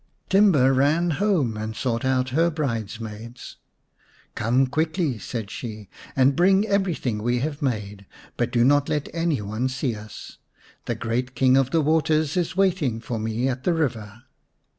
Timba ran home and sought out her brides maids. " Come quickly," said she, " and bring every 87 The Serpent's Bride vm thing we have made, but do not let any one see us. The great King of the Waters is waiting for me at the river."